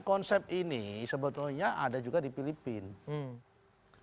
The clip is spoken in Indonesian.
konsep ini sebetulnya ada juga di filipina